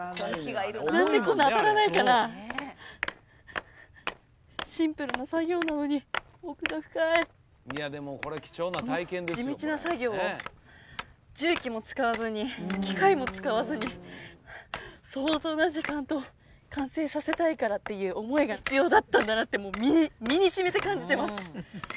何でこんな当たらないかなシンプルな作業なのに奥が深い地道な作業を重機も使わずに機械も使わずに相当な時間と完成させたいからっていう思いが必要だったんだなってもう身に染みて感じてます